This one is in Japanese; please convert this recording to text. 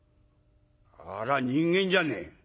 あれは人間じゃねえ。